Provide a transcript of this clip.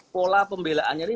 pola pembelaannya ini